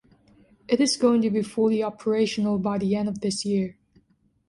It is going to be fully operational by the end of this year.